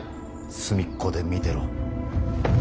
隅っこで見てろ。